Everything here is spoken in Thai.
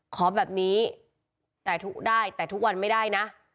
ขอแบบนี้ได้แต่ทุกวันไม่ได้นะ